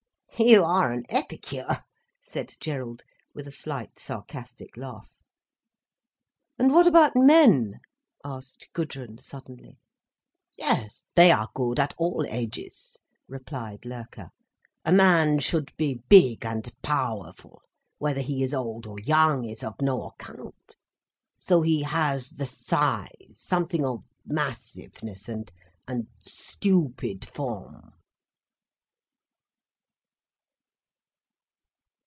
"You are an epicure," said Gerald, with a slight sarcastic laugh. "And what about men?" asked Gudrun suddenly. "Yes, they are good at all ages," replied Loerke. "A man should be big and powerful—whether he is old or young is of no account, so he has the size, something of massiveness and—and stupid form."